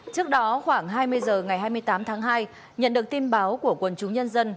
trước đó khoảng hai mươi h ngày hai mươi tám tháng hai nhận được tin báo của quần chúng nhân dân